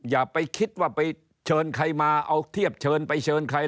อย่าไปคิดว่าไปเชิญใครมาเอาเทียบเชิญไปเชิญใคร